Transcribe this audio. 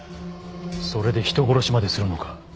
それで人殺しまでするのか？